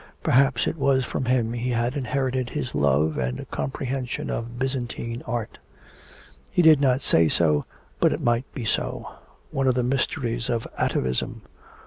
Perhaps it was from him he had inherited his love and comprehension of Byzantine art he did not say so, but it might be so; one of the mysteries of atavism!